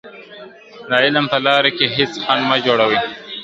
د علم په لاره کي هيڅ خنډ مه جوړوئ.